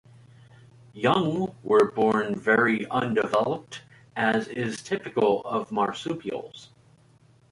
Young were born very undeveloped, as is typical of marsupials.